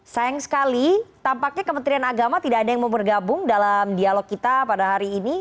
sayang sekali tampaknya kementerian agama tidak ada yang mau bergabung dalam dialog kita pada hari ini